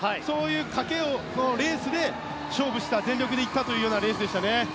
賭けのレースで勝負した全力で行ったレースでしたね。